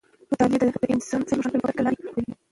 مطالعه د انسان ذهن روښانه کوي او د فکر لاره یې بدلوي.